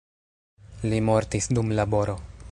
Li mortis dum laboro.